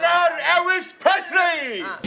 เจนอาร์เอวิสเพชรี